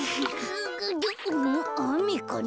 あめかな？